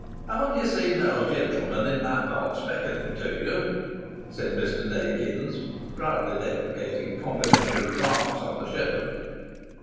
"Haven't you seen those gentlemen in that box beckoning to you?" said Mr. Dakins, proudly deprecating complimentary remarks on the show.